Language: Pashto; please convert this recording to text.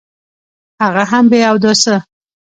هغه هم بې اوداسه.